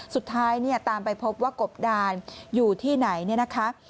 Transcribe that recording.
สุดท้ายเนี่ยตามไปพบว่ากบดานอยู่ที่ไหน